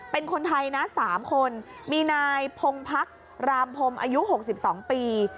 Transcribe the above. เป็นคนไทยนะสามคนมีนายพงพักรามพมอายุหกสิบสองปี